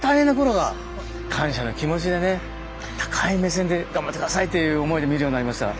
感謝の気持ちでねあったかい目線で頑張って下さいっていう思いで見るようになりました。